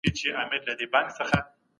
دا څېړنه به انشاالله بریا ته ورسیږي.